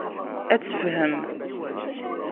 Ad tefhem.